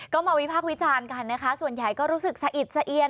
ก็มาวิพากษ์วิจารณ์กันนะคะส่วนใหญ่ก็รู้สึกสะอิดสะเอียน